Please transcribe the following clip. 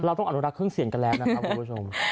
เพราะรักเครื่องเสียงกันแล้วนะครับคุณผู้ชม